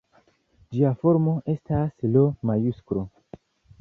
Ĝia formo estas L-majusklo.